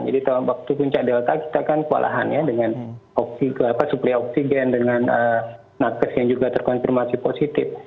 jadi waktu puncak delta kita kan kewalahan ya dengan oksigen dengan nakas yang juga terkonfirmasi positif